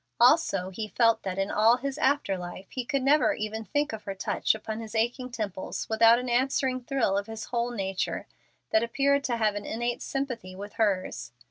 Also he felt that in all his after life he could never even think of her touch upon his aching temples without an answering thrill of his whole nature that appeared to have an innate sympathy with hers.